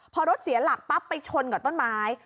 พอรถเสียหลักปั๊บไปชนกับต้นไม้